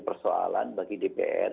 persoalan bagi dpr